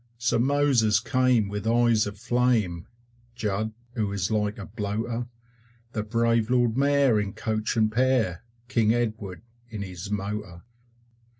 Sir Moses came with eyes of flame, Judd, who is like a bloater, The brave Lord Mayor in coach and pair, King Edward, in his motor.